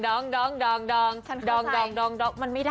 เอออันนี้สองสุขันต์เลือกให้มันได้